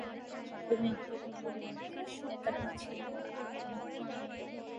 তুমি জুজুৎসু একাডেমীতে কেন এসেছো?